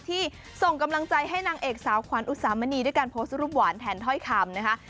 ส่งกำลังใจให้นางเอกสาวขวัญอุสามณีด้วยการโพสต์รูปหวานแทนถ้อยคำนะคะ